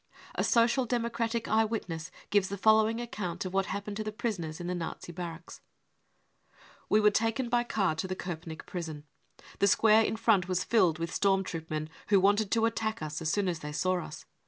A Social Democratic eye witness gives the following account of what happened to the prisoners in the Nazi barracks :" We were taken by car to the Kopenick prison. The square in front was filled with storm troop men, who wanted to attack us as soon as they saw us.